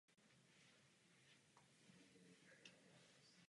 Počet věřících neustále stoupá.